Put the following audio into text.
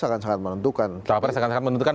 akan sangat menentukan capres akan sangat menentukan